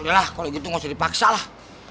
yaelah kalo gitu gak usah dipaksa lah